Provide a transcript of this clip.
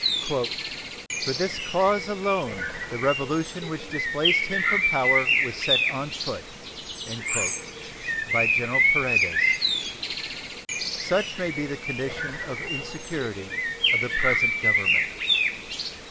"For this cause alone the revolution which displaced him from power was set on foot" by General Paredes. Such may be the condition of insecurity of the present Government.